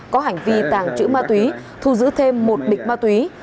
có hành vi tàng trữ ma túy thu giữ thêm một bịch ma túy